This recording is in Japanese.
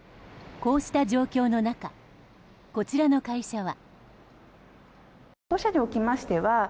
こうした状況の中こちらの会社は。